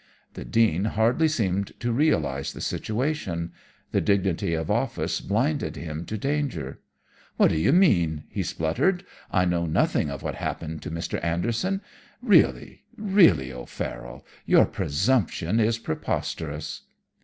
"The Dean hardly seemed to realize the situation. The dignity of office blinded him to danger. "'What do you mean?' he spluttered. 'I know nothing of what happened to Mr. Anderson! Really, really, O'Farroll, your presumption is preposterous.'